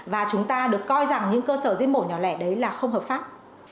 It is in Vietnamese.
và chúng ta được coi rằng những cơ sở giết mổ nhỏ lẻ đấy là không hợp pháp